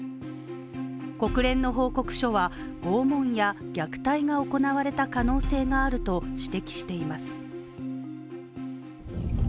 国連の報告書は、拷問や虐待が行われた可能性があると指摘しています。